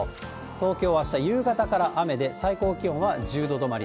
東京はあした夕方から雨で、最高気温は１０度止まり。